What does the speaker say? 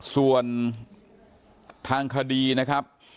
ส่วนทางคดีนะครับ